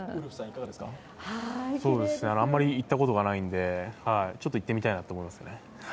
あまり行ったことがないので、ちょっと行ってみたいなと思います。